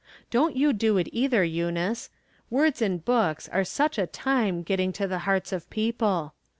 Don't you do it either, Eunice. Words in books are such a time getting to the hearts of people.